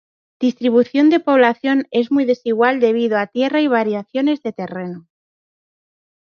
Distribución de población es muy desigual debido a tierra y variaciones de terreno.